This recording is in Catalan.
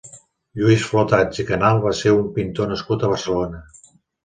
Lluís Flotats i Canal va ser un pintor nascut a Barcelona.